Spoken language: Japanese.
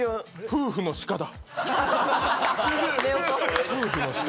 夫婦の鹿だ。